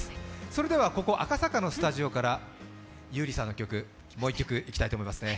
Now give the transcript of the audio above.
それでは、ここ赤坂のスタジオから優里さんの曲、もう一曲いきたいと思います。